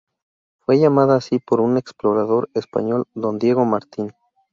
Fue llamada así por un explorador español Don Diego Martín.